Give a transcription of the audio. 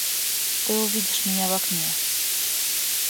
Ты увидишь меня в окне.